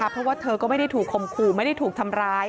เพราะว่าเธอก็ไม่ได้ถูกคมขู่ไม่ได้ถูกทำร้าย